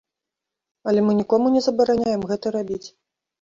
Але мы нікому не забараняем гэта рабіць.